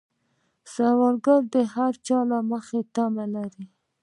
سوالګر د هر چا له مخې تمه لري